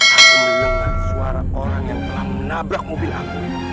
aku mendengar suara orang yang telah menabrak mobil aku